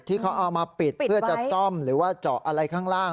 ที่เขาเอามาปิดเพื่อจะซ่อมหรือว่าเจาะอะไรข้างล่าง